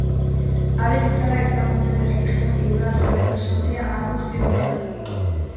Haren itzala ezagun zen erlijio idolatraren presentzia ahalguztidunean.